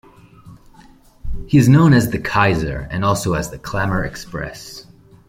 He is known as "The Kaiser" and also as the "Klammer Express.